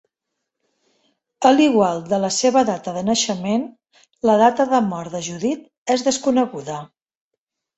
A l'igual de la seva data de naixement, la data de mort de Judith és desconeguda.